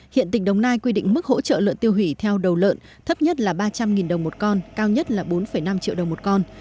hiện tỉnh đồng nai quy định mức hỗ trợ lợn tiêu hủy theo đầu lợn thấp nhất là ba trăm linh đồng một con cao nhất là bốn năm triệu đồng một con